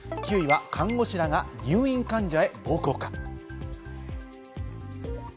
看護師らが入院患者へ暴行か？